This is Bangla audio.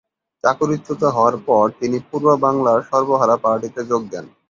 চাকরিচ্যুত হওয়ার পর তিনি পূর্ব বাংলার সর্বহারা পার্টিতে যোগ দেন।